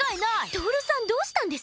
トオルさんどうしたんです？